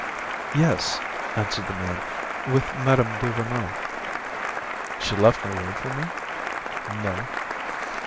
"Yes," answered the man; "with Mme. Duvernoy." "She left no word for me?" "No."